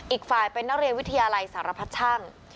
อีกฝ่ายเป็นนักเรียนวิทยาลัยสารพัดช่าง